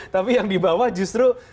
tapi yang di bawah justru